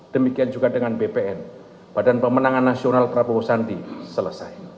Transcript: demikian juga dengan bpn badan pemenangan nasional prabowo sandi selesai